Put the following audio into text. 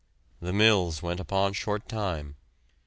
The mills went upon short time.